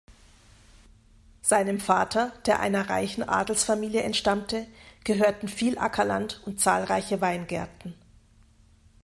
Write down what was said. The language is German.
Seinem Vater, der einer reichen Adelsfamilie entstammte, gehörten viel Ackerland und zahlreiche Weingärten.